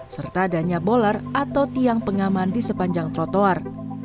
serta adanya bolar atau tiang pengaman di sepanjang trotoar